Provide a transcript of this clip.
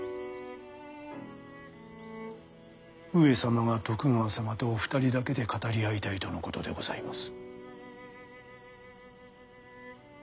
上様が徳川様とお二人だけで語り合いたいとのことでございます。